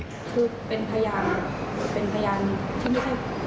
คือเป็นพยานเป็นพยานที่ไม่ใช่